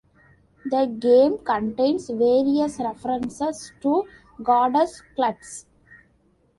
The game contains various references to Goddess-cults.